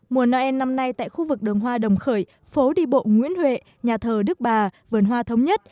mùa noel năm nay tại khu vực đường hoa đồng khởi phố đi bộ nguyễn huệ nhà thờ đức bà vườn hoa thống nhất